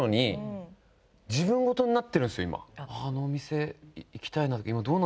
あのお店行きたいな。